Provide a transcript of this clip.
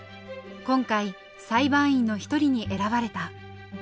今回裁判員の一人に選ばれた。